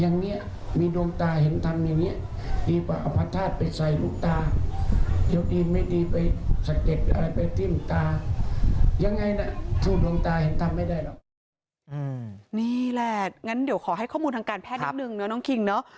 นี่แหละงั้นเดี๋ยวขอให้ข้อมูลทางการแพทย์นิดนึงนะน้องคิงเนอะ